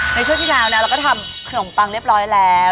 ในช่วงที่แล้วนะเราก็ทำขนมปังเรียบร้อยแล้ว